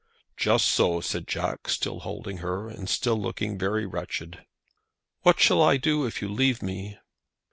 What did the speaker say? "Just so," said Jack, still holding her, and still looking very wretched. "What shall I do if you leave me?"